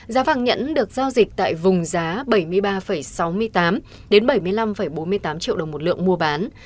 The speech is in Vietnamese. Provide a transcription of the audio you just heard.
giá vàng nhẫn được giao dịch tại vùng giá bảy mươi ba sáu mươi tám bảy mươi năm bốn mươi tám triệu đồng một lượng mua bán